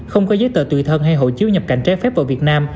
không có giấy tờ tùy thân hay hộ chiếu nhập cảnh trái phép vào việt nam